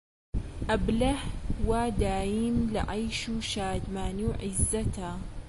ئەبلە وا دایم لە عەیش و شادمانی و عیززەتا